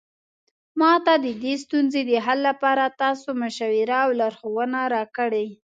ما ته د دې ستونزې د حل لپاره تاسو مشوره او لارښوونه راکړئ